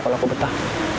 kalau aku betah